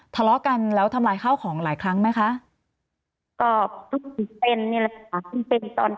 ทะเลาะกันแล้วทำลายข้าวของหลายครั้งไหมคะก็นี่แหละค่ะต้องเป็นตอน